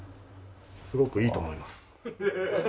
すごくいいと思います。